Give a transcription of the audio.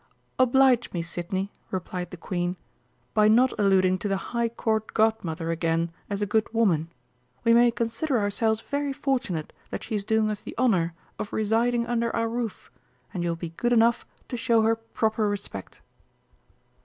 "Oblige me, Sidney," replied the Queen, "by not alluding to the High Court Godmother again as a good woman; we may consider ourselves very fortunate that she is doing us the honour of residing under our roof, and you will be good enough to show her proper respect."